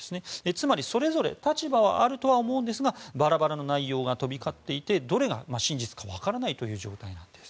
つまり、それぞれ立場はあるとは思うんですがバラバラの内容が飛び交っていてどれが真実か分からないという状態なんです。